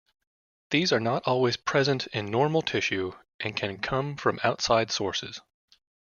These are not always present in normal tissue and can come from outside sources.